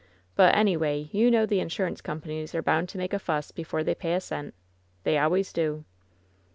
But, anyway, you know the insurance companies are bound to make a fuss before they pay a cent. They always do."